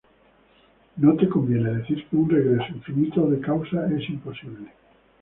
No te conviene decir que un regreso infinito de causas es imposible.